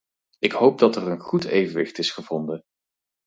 Ik hoop dat er een goed evenwicht is gevonden.